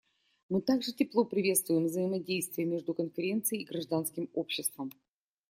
Мы также тепло приветствуем взаимодействие между Конференцией и гражданским обществом.